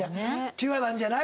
ピュアなんじゃない？